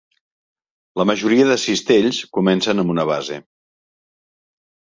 La majoria de cistells comencen amb una base.